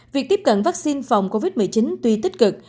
việc tiếp cận vaccine phòng covid một mươi chín tuy tích cực